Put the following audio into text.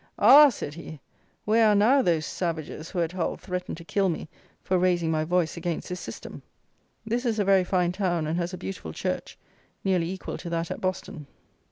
"Ah!" said he, "where are now those savages who, at Hull, threatened to kill me for raising my voice against this system?" This is a very fine town, and has a beautiful church, nearly equal to that at Boston.